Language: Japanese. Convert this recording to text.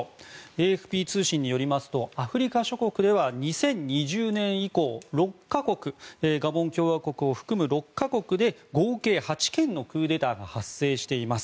ＡＦＰ通信によりますとアフリカ諸国では２０２０年以降ガボン共和国を含む６か国で合計８件のクーデターが発生しています。